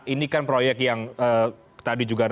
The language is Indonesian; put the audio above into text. ini kan proyek yang tadi juga